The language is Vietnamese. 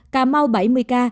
cà mau bảy mươi ca